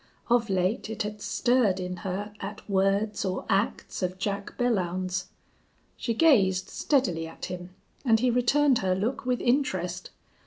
Of late it had stirred in her at words or acts of Jack Belllounds. She gazed steadily at him, and he returned her look with interest.